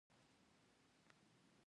د بدن د ګرمۍ لپاره د کاسني اوبه وڅښئ